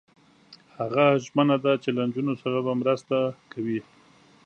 هغه ژمنه ده چې له نجونو سره به مرسته کوي.